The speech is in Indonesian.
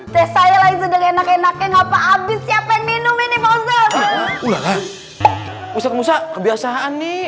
teh saya lagi sudah enak enaknya ngapa abis siapa yang minum ini posisi